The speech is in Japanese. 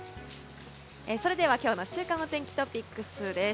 それでは、今日の週間お天気トピックスです。